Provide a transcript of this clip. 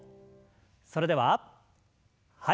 それでははい。